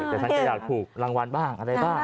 แต่ฉันก็อยากถูกรางวัลบ้างอะไรบ้าง